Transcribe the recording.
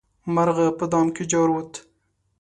مرغه په دام کې جارووت.